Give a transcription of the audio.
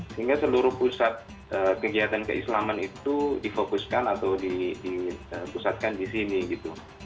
sehingga seluruh pusat kegiatan keislaman itu difokuskan atau dipusatkan di sini gitu